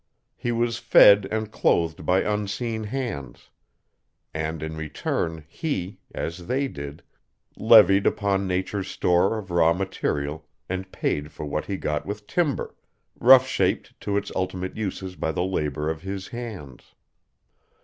He was fed and clothed by unseen hands. And in return he, as they did, levied upon nature's store of raw material and paid for what he got with timber, rough shaped to its ultimate uses by the labor of his hands.